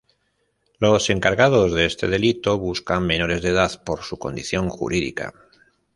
Los Encargados de este delito buscan menores de edad por su condición jurídica.